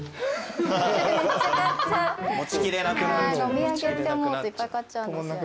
お土産って思うといっぱい買っちゃうんですよ。